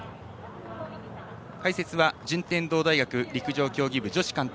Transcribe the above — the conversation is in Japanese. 解説は順天堂大学陸上競技部女子監督